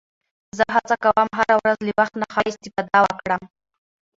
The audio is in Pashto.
زه هڅه کوم هره ورځ له وخت نه ښه استفاده وکړم